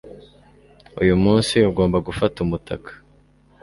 Uyu munsi ugomba gufata umutaka.